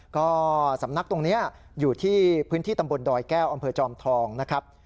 ก็สำนักตรงนี้อยู่ที่พื้นที่ตำบลดอยแก้วอำเภอจอมทองนะครับ